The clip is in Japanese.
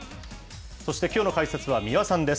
そして、きょうの解説は三輪さんです。